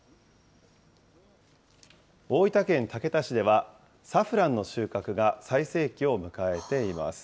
大分県竹田市では、サフランの収穫が最盛期を迎えています。